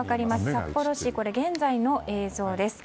札幌市の現在の映像です。